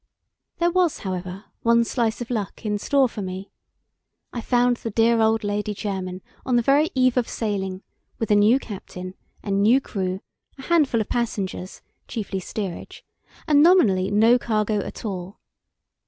There was, however, one slice of luck in store for me. I found the dear old Lady Jermyn on the very eve of sailing, with a new captain, a new crew, a handful of passengers (chiefly steerage), and nominally no cargo at all.